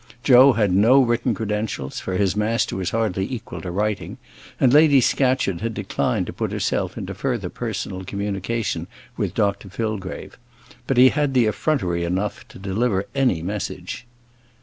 Joe had no written credentials, for his master was hardly equal to writing, and Lady Scatcherd had declined to put herself into further personal communication with Dr Fillgrave; but he had effrontery enough to deliver any message.